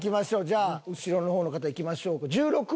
じゃあ後ろの方の方いきましょうか。